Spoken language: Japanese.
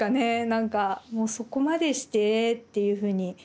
なんかもうそこまでしてっていうふうに。